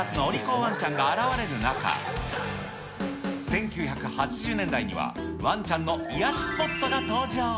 ワンちゃんが現れる中、１９８０年代には、ワンちゃんの癒やしスポットが登場。